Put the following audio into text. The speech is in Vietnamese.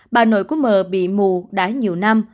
bà nội của m bị mù đã nhiều năm